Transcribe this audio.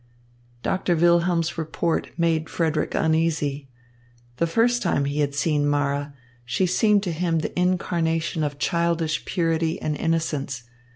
Doctor Wilhelm's report made Frederick uneasy. The first time he had seen Mara, she seemed to him the incarnation of childish purity and innocence.